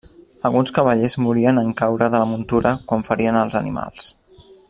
Alguns cavallers morien en caure de la muntura quan ferien els animals.